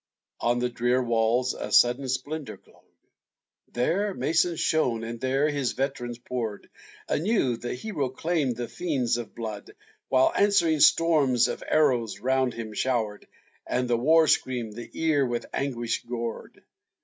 On the drear walls a sudden splendor glow'd, There Mason shone, and there his veterans pour'd. Anew the hero claim'd the fiends of blood, While answering storms of arrows round him shower'd, And the war scream the ear with anguish gored.